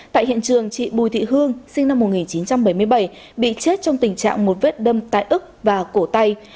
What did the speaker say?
tại hiện trường chị bùi thị hương sinh năm một nghìn chín trăm bảy mươi bảy bị chết trong tình trạng một vết đâm tại ức và cổ tay